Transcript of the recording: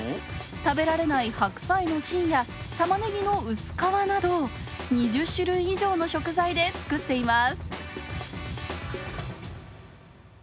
食べられない白菜の芯やたまねぎの薄皮など２０種類以上の食材で作っています。